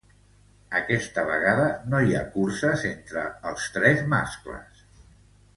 Aquesta vegada no hi ha curses entre els tres mascles.